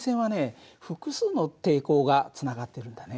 複数の抵抗がつながってるんだね。